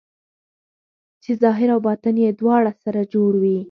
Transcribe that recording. چې ظاهر او باطن یې دواړه سره جوړ وي.